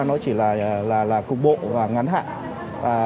nó chỉ là cục bộ và ngắn hạn